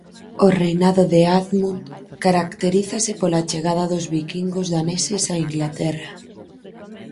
O reinado de Eadmund caracterízase pola chegada dos viquingos daneses a Inglaterra.